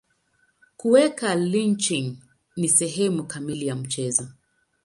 Kuweka lynching ni sehemu kamili ya mchezo.